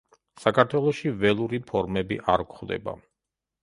საქართველოში ველური ფორმები არ გვხვდება.